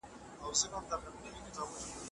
زه اوږده وخت د سبا لپاره د کور دندو بشپړونه کوم.